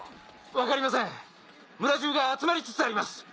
分かりません村じゅうが集まりつつあります。